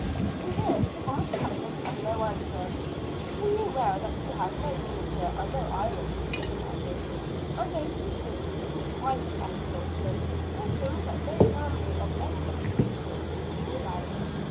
To this Thomas Putnam had no answer. He knew well that he had no minister and no island in his family and those two things, in his wife's estimation, were things that no family of any reputation should be without.